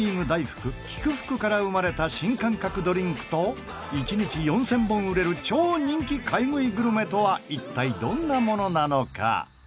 福から生まれた新感覚ドリンクと１日４０００本売れる超人気買い食いグルメとは一体、どんなものなのか？